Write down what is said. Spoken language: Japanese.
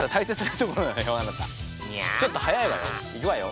ちょっと早いわよ。